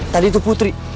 tadi itu putri